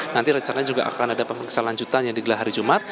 nanti rencananya juga akan ada pemeriksaan lanjutan yang digelar hari jumat